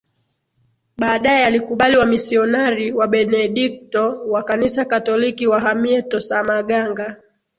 Baadaye alikubali wamisionari Wabenedikto wa Kanisa Katoliki wahamie Tosamaganga